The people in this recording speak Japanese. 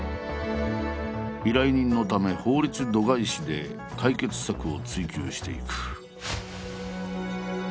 依頼人のため法律度外視で解決策を追求していく。